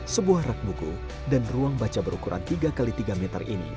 sebuah rak buku dan ruang baca berukuran tiga x tiga meter ini